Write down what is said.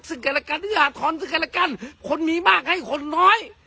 ซึ่งกันและกันที่อาทรซึ่งกันและกันคนมีมากให้คนน้อย